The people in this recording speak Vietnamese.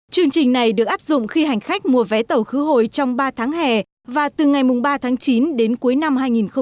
chương trình này được áp dụng khi hành khách mua vé tàu khứ hồi trong ba tháng hè và từ ngày ba tháng chín đến cuối năm hai nghìn một mươi chín